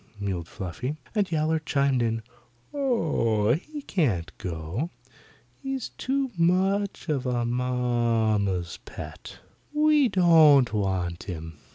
mewed Fluffy, and Yowler chimed in, "Oh, he can't go. He's too much of a mamma's pet. We don't want him."